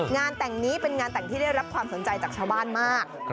งานแต่งนี้เป็นงานแต่งที่ได้รับความสนใจจากชาวบ้านมาก